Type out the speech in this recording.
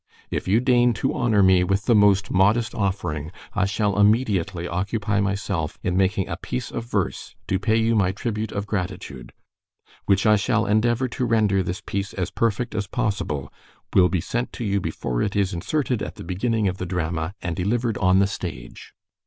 If you deign to honor me with the most modest offering, I shall immediately occupy myself in making a piesse of verse to pay you my tribute of gratitude. Which I shall endeavor to render this piesse as perfect as possible, will be sent to you before it is inserted at the beginning of the drama and delivered on the stage.